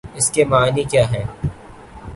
اس کے معانی کیا ہیں؟